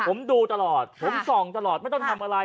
ผมดูตลอดผมส่องตลอดไม่ต้องทำอะไร